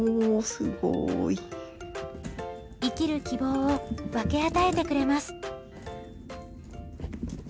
生きる希望を分け与えてくれます。